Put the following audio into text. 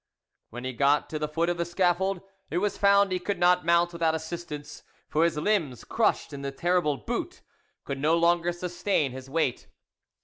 When he got to the foot of the scaffold, it was found he could not mount without assistance; for his limbs, crushed in the terrible "boot," could no longer sustain his weight.